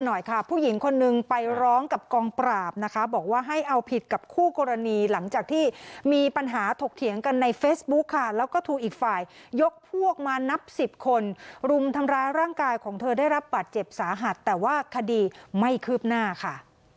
หน่อยค่ะผู้หญิงคนนึงไปร้องกับกองปราบนะคะบอกว่าให้เอาผิดกับคู่กรณีหลังจากที่มีปัญหาถกเถียงกันในเฟซบุ๊คค่ะแล้วก็ถูกอีกฝ่ายยกพวกมานับสิบคนรุมทำร้ายร่างกายของเธอได้รับบัตรเจ็บสาหัสแต่ว่าคดีไม่คืบหน้าค่ะ